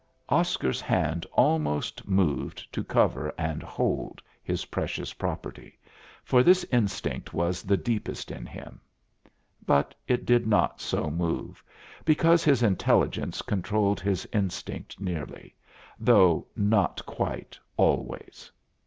Oscar's hand almost moved to cover and hold his precious property, for this instinct was the deepest in him. But it did not so move, because his intelligence controlled his instinct nearly, though not quite, always.